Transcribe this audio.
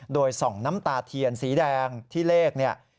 โดยส่องน้ำตาเทียนสีแดงที่เลขเนี่ย